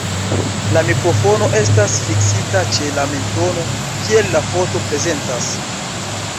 La mikrofono estas fiksita ĉe la mentono, kiel la foto prezentas.